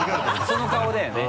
その顔だよね。